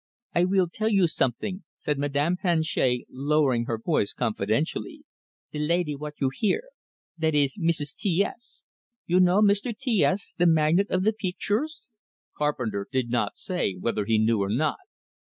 "I weel tell you something," said Madame Planchet, lowering her voice confidentially. "The lady what you hear that ees Meeses T S. You know Meester T S, the magnate of the peectures?" Carpenter did not say whether he knew or not.